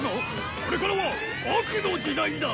これからは悪の時代だ！